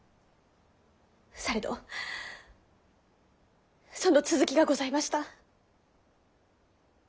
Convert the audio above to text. されどその続きがございました。